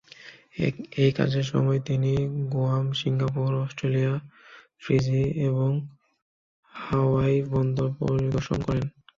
এই কাজের সময়, তিনি গুয়াম, সিঙ্গাপুর, অস্ট্রেলিয়া, ফিজি এবং হাওয়াই বন্দর পরিদর্শন করেন।